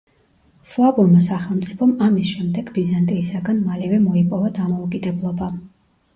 სლავურმა სახელმწიფომ ამის შემდეგ ბიზანტიისაგან მალევე მოიპოვა დამოუკიდებლობა.